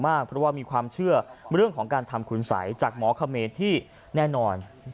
เพราะว่ามีความเชื่อเรื่องของการทำคุณสัยจากหมอเขมรที่แน่นอน